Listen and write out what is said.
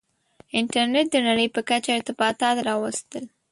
• انټرنېټ د نړۍ په کچه ارتباطات راوستل.